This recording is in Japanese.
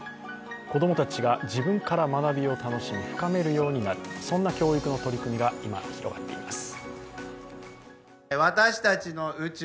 子供たちが自分から学びを楽しみ深めるようになるそんな教育の取り組みが今、広がっています。